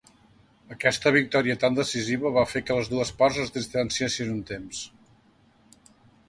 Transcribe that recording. Aquesta victòria tan decisiva va fer que les dues parts es distanciessin un temps.